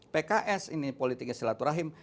pks ini politiknya silaturahim